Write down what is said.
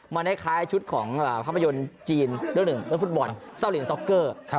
มันคล้ายชุดของภาพยนตร์จีนเรื่องฟุตบอลซ่าวเลียนซอคเกอร์